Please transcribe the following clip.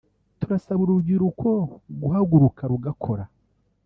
turasaba urubyiruko guhaguruka rugakora